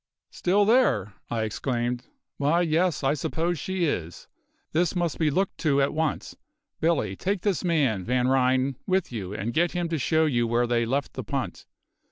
"Still there!" I exclaimed. "Why yes I suppose she is. This must be looked to at once. Billy, take this man, Van Ryn, with you, and get him to show you where they left the punt.